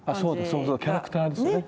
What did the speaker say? そうそうキャラクターですよね。